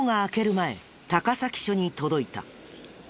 前高崎署に届いた。